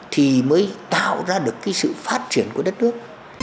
thì mới tạo ra được cái sự phát triển của đất nước